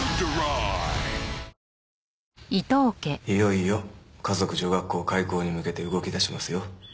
いよいよ華族女学校開校に向けて動き出しますよ。